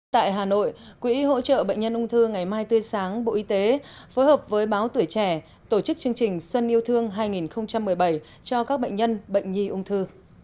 tại hà nội quỹ hỗ trợ bệnh nhân ung thư ngày mai tươi sáng bộ y tế phối hợp với báo tuổi trẻ tổ chức chương trình xuân yêu thương hai nghìn một mươi bảy cho các bệnh nhân bệnh nhi ung thư